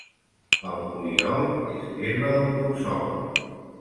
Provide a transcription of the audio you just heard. El poliol és l'herba del consol.